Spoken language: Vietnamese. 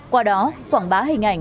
qua đó quảng bá hình ảnh